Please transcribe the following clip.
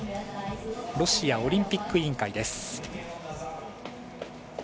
ロシアオリンピック委員会です。